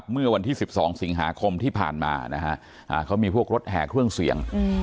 เมื่อวันที่๑๒สิงหาคมที่ผ่านมานะฮะเขามีพวกรถแห่เครื่องเสียง